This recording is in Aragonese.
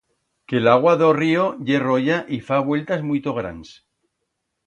Que l'agua d'o río ye roya y fa vueltas muito grans.